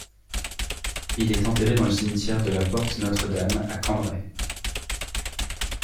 Il est enterré dans le cimetière de la Porte Notre-Dame à Cambrai.